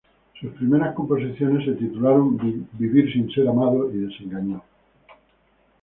Sus primeras composiciones se titularon: "Vivir sin ser amado" y "Desengaño".